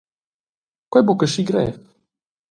«Quei ei buca aschi grev» .